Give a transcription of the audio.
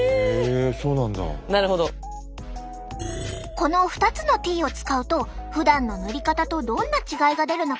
この２つのＴを使うとふだんの塗り方とどんな違いが出るのか。